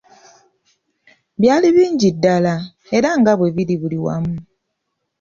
Byali bingi ddala, era nga biri buli wamu.